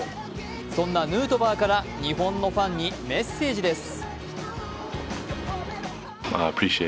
そんなヌートバーから日本のファンにメッセージです。